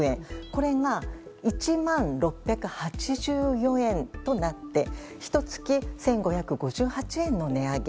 これが１万６８４円となってひと月１５５８円の値上げ。